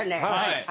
はい。